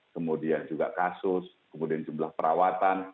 kemudian juga kasus kemudian jumlah perawatan